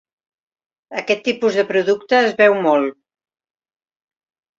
Aquest tipus de producte es veu molt.